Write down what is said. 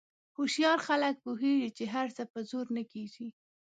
هوښیار خلک پوهېږي چې هر څه په زور نه کېږي.